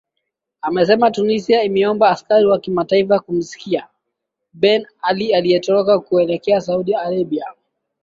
amesema tunisia imeomba askari wa kimataifa kumsikilia ben ali aliyetoroka kuelekea saudi arabia